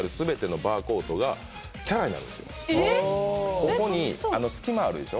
ここに隙間あるでしょ。